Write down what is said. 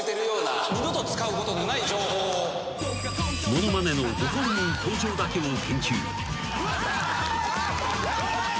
ものまねのご本人登場だけを研究。